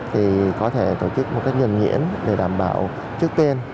thì có thể tổ chức một cách nhuận nhiễn để đảm bảo trước tiên